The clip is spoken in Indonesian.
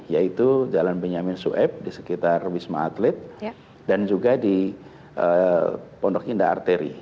yaitu jalan benyamin sueb di sekitar wisma atlet dan juga di pondok indah arteri